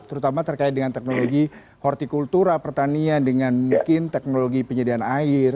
terutama terkait dengan teknologi hortikultura pertanian dengan mungkin teknologi penyediaan air